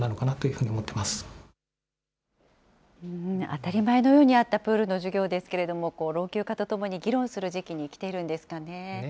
当たり前のようにあったプールの授業ですけれども、老朽化とともに議論する時期にきているんですかね。